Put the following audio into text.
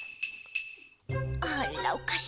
あらおかしいわね。